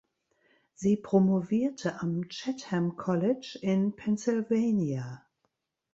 Sie promovierte am "Chatham College" in Pennsylvania.